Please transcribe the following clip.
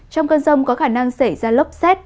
trong cơn rông có khả năng xảy ra lốc xét